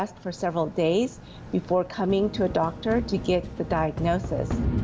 เพื่อให้เจ้านิสัยเพื่อรับให้เสียเชื้อ